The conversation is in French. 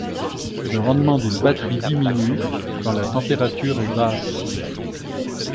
Le rendement d'une batterie diminue quand la température est basse.